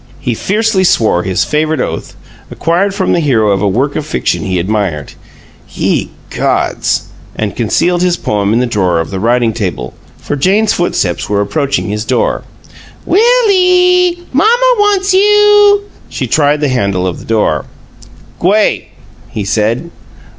He fiercely swore his favorite oath, acquired from the hero of a work of fiction he admired, "Ye gods!" and concealed his poem in the drawer of the writing table, for Jane's footsteps were approaching his door. "Will ee! Mamma wants you." She tried the handle of the door. "G'way!" he said.